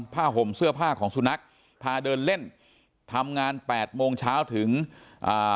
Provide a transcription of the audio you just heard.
ห่มเสื้อผ้าของสุนัขพาเดินเล่นทำงานแปดโมงเช้าถึงอ่า